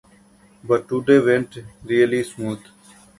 But today went really smooth.